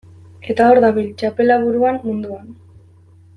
Eta hor dabil, txapela buruan, munduan.